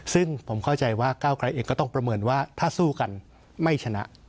ซึ่งผมเข้าใจว่าก้าวไกลเองก็ต้องประเมินว่าถ้าสู้กันไม่ชนะ